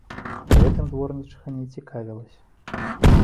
Гэтым дворнічыха не цікавілася.